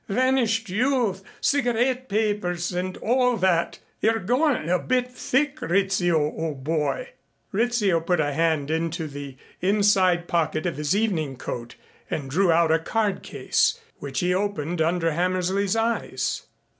Vanished youth, cigarette papers and all that. You're goin' it a bit thick, Rizzio, old boy." Rizzio put a hand into the inside pocket of his evening coat and drew out a card case, which he opened under Hammersley's eyes.